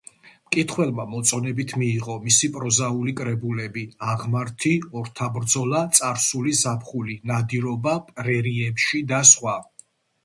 მკითხველმა მოწონებით მიიღო მისი პროზაული კრებულები „აღმართი“, „ორთაბრძოლა“, „წარსული ზაფხული“, „ნადირობა პრერიებში“ და სხვა.